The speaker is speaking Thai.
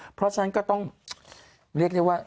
เพราะฉะนั้นก็ต้องเรียกได้ว่า